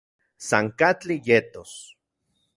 San katli yetos